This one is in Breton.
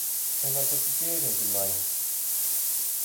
en apotikerezh emaint